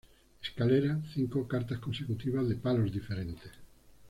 Escalera: cinco cartas consecutivas de palos diferentes.